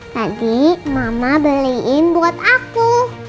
tadi mama beliin buat aku